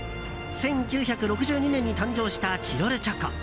１９６２年に誕生したチロルチョコ。